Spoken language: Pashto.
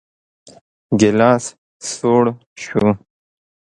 ګيلاس سوړ شو.